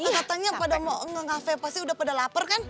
karena katanya pada mau nge cafe pasti udah pada lapar kan